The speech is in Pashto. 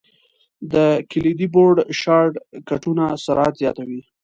د کلیدي بورډ شارټ کټونه سرعت زیاتوي.